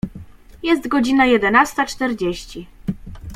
Jest godzina jedenasta czterdzieści.